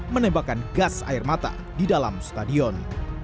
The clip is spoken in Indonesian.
menembakkan gas air mata di dalam stadion